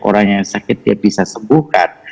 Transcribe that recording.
orang yang sakit dia bisa sembuhkan